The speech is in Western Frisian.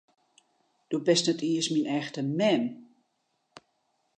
Do bist net iens myn echte mem!